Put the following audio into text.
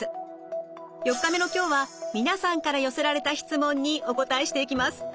４日目の今日は皆さんから寄せられた質問にお答えしていきます。